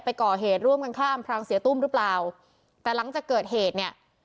ไปก่อเหตุร่วมกันฆ่าอำพลังเสียตุ้มหรือเปล่าแต่หลังจากเกิดเหตุเนี่ย